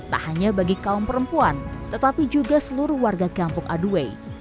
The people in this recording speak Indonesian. tak hanya bagi kaum perempuan tetapi juga seluruh warga kampung aduay